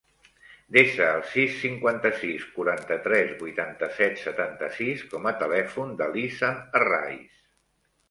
Desa el sis, cinquanta-sis, quaranta-tres, vuitanta-set, setanta-sis com a telèfon de l'Izan Herraiz.